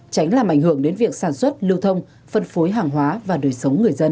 tránh làm ảnh hưởng đến việc sản xuất lưu thông phân phối hàng hóa và đời sống người dân